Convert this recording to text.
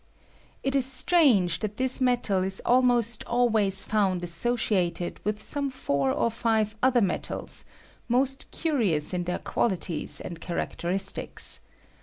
It ia strange that this metal is almost always found associated with some four or five other metals, most curious in their qualities and char acteristics.